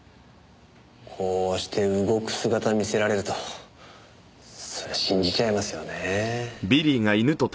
こうして動く姿見せられるとそりゃ信じちゃいますよね。